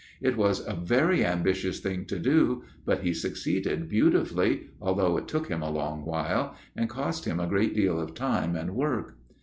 It was a very ambitious thing to do, but he succeeded beautifully, although it took him a long while, and cost him a great deal of time and work.